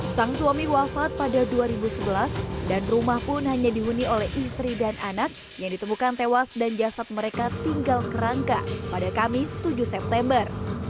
sang suami wafat pada dua ribu sebelas dan rumah pun hanya dihuni oleh istri dan anak yang ditemukan tewas dan jasad mereka tinggal kerangka pada kamis tujuh september